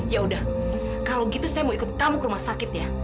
yaudah kalau gitu saya mau ikut kamu ke rumah sakit ya